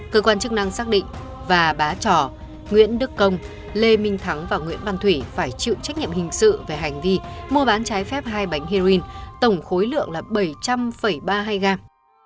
cơ quan chức năng xác định và bá trò nguyễn đức công lê minh thắng và nguyễn văn thủy phải chịu trách nhiệm hình sự về hành vi mua bán trái phép hai bánh heroin tổng khối lượng là bảy trăm ba mươi hai gram